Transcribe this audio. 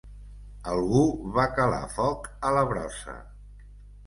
Algú va calar foc a la brossa.